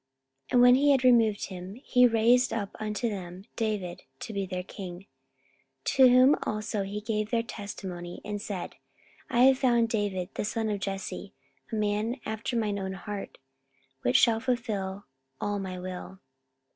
44:013:022 And when he had removed him, he raised up unto them David to be their king; to whom also he gave their testimony, and said, I have found David the son of Jesse, a man after mine own heart, which shall fulfil all my will.